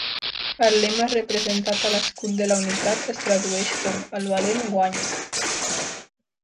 El lema representat a l'escut de la unitat es tradueix com "el valent guanya".